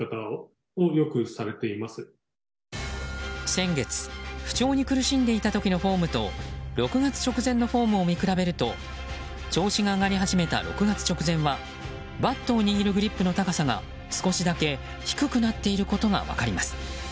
先月、不調に苦しんでいた時のフォームと６月直前のフォームを見比べると調子が上がり始めた６月直前はバットを握るグリップの高さが少しだけ低くなっていることが分かります。